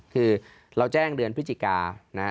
คือเราแจ้งเดือนพฤติกานะครับ